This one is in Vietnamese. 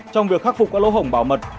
trong việc khắc phục các lỗ hổng bảo mật